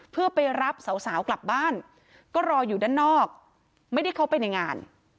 เพื่อไปรับสาวกลับบ้านก็รออยู่ด้านนอกไม่ได้เข้าไปในงาน